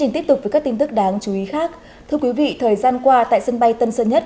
tiếp tục với các tin tức đáng chú ý khác thưa quý vị thời gian qua tại sân bay tân sơn nhất